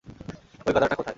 ওই গাধাটা কোথায়?